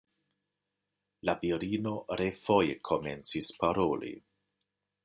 La virino refoje komencis paroli.